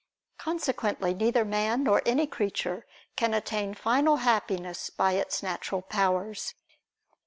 Consequently neither man, nor any creature, can attain final Happiness by his natural powers.